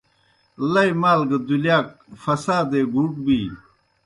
لئی مال گہ دُلِیاک فسادے گُوٹ بِینیْ